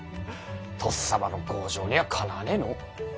とっさまの剛情にはかなわねぇのう。